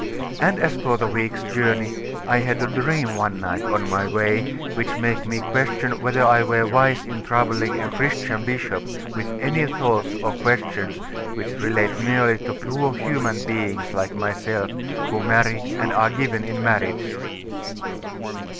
And as for the week's journey, I had a dream one night, on my way, which made me question whether I were wise in troubling a Christian bishop with any thoughts or questions which relate merely to poor human beings like myself, who marry and are given in marriage.